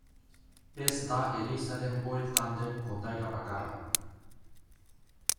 Ez da elizaren bueltan den kondaira bakarra.